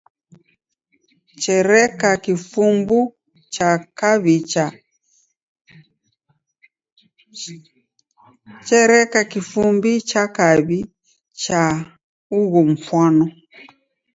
Chereka kifumbu cha kaw'i cha ugho mfwano.